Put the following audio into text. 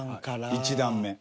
１段目。